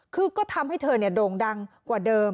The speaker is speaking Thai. คือก็ทำให้เธอโด่งดังกว่าเดิม